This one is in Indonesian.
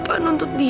bapak menuntut dia